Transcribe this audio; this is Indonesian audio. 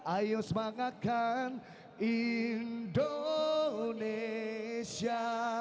ayo semangatkan indonesia